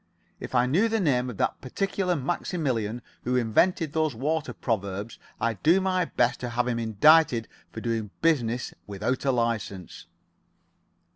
If I knew the name of that particular Maximilian who invented those water proverbs I'd do my best to have him indicted for doing business without a license."